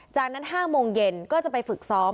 จากนั้น๕โมงเย็นก็จะไปฝึกซ้อม